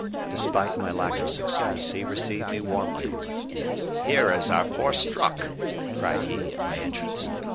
Despite my lack of success he received me warmly. "Here is our poor Strock!" cried he, at my entrance.